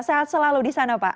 sehat selalu di sana pak